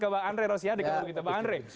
ke bang andre rosiade kalau begitu bang andre